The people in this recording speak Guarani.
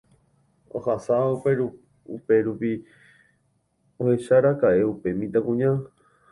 ohasávo upérupi ohecháraka'e upe mitãkuña